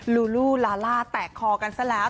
ลูลูลาล่าแตกคอกันซะแล้ว